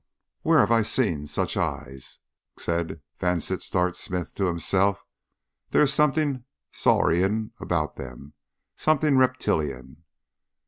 "Where have I seen such eyes?" said Vansittart Smith to himself. "There is something saurian about them, something reptilian.